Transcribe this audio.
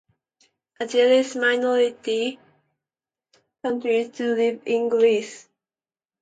A Jewish minority continues to live in Greece.